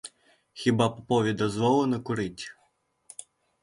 Хіба попові дозволено курить?